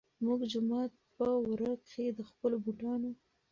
مونږ جومات پۀ ورۀ کښې د خپلو بوټانو